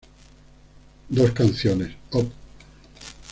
Dos canciones, op.